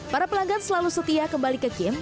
para pelanggan selalu setia kembali ke kim